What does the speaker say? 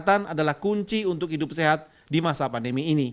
kesehatan adalah kunci untuk hidup sehat di masa pandemi ini